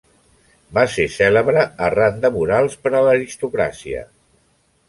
Va ser cèlebre arran de murals per a l'aristocràcia.